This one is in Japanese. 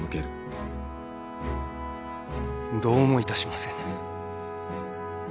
どうもいたしませぬ。